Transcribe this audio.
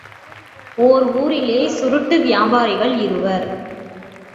ஓர் ஊரிலே சுருட்டு வியாபாரிகள் இருவர்.